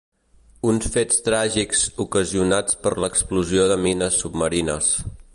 Uns fets tràgics ocasionats per l’explosió de mines submarines.